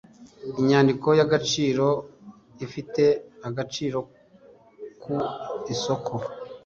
inyandiko y’agaciro ifite agaciro ku isoko